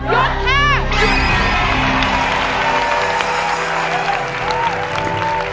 หยุดค่ะ